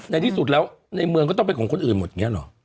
ในที่สุดแล้วในเมืองก็ต้องเป็นของคนอื่นหมดอย่างนี้หรอ